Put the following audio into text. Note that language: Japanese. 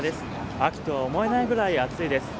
秋とは思えないぐらい暑いです。